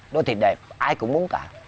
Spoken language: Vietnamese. đô thị đẹp ai cũng muốn cả